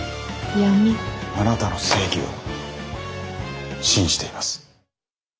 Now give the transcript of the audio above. あなたの正義を信じています。